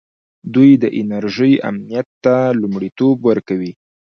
دوی د انرژۍ امنیت ته لومړیتوب ورکوي.